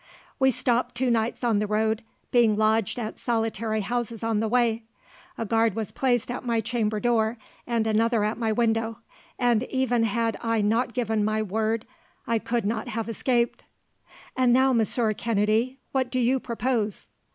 "We stopped two nights on the road, being lodged at solitary houses on the way. A guard was placed at my chamber door, and another at my window, and even had I not given my word I could not have escaped. "And now, Monsieur Kennedy, what do you propose?"